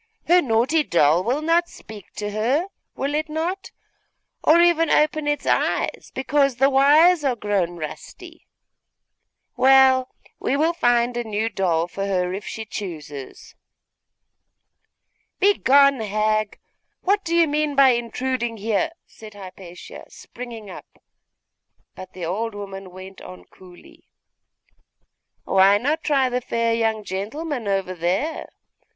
her naughty doll will not speak to her, will it not? or even open its eyes, because the wires are grown rusty? Well, we will find a new doll for her, if she chooses.' 'Begone, hag! What do you mean by intruding here?' said Hypatia, springing up; but the old woman went on coolly 'Why not try the fair young gentleman over there?